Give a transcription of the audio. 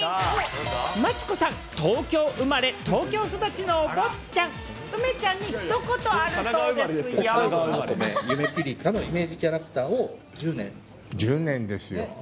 マツコさん、東京生まれ東京育ちのおぼっちゃん、梅ちゃんにひと言あるそうで北海道のお米、ゆめぴりかの１０年ですよ。